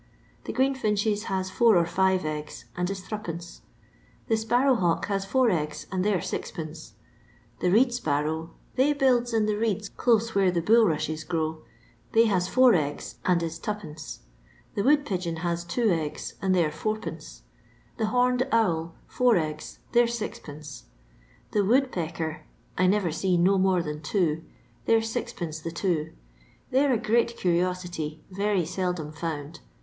The greenfinches hu four or five eggs, and is Sd. The sparrer hawk has four eggs, and they 're 6d. The reed sparrow— they builds in the reeds close where the bul rushes grow ; they has four eggs, and is 2d, The wood pigeon has two eggs, and they *t9 id. The homed owl, four eggs ; they 're 6d. The wood pecker— I never see no more nor two — they're M. the two; thejf're a great cur'osity, very seldom found.